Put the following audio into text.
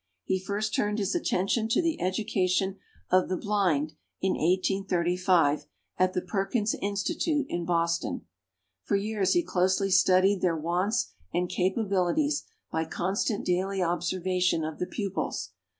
He first turned his attention to the education of the blind in 1835 at the Perkins Institute, in Boston. For years he closely studied their wants and capabilities by constant daily observation of the pupils.